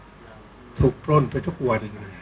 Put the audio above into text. ก็ต้องทำอย่างที่บอกว่าช่องคุณวิชากำลังทำอยู่นั่นนะครับ